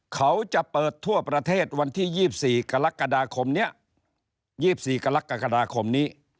เขาจะเปิดทั่วประเทศวันที่๒๔กลากดาคมนี้